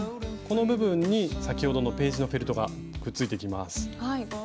この部分に先ほどのページのフェルトがくっついてきます。